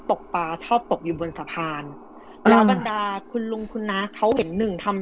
ตกปลาชอบตกอยู่บนสะพานแล้วบรรดาคุณลุงคุณน้าเขาเห็นหนึ่งทำ